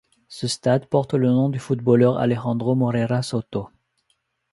Ce stade porte le nom du footballeur Alejandro Morera Soto.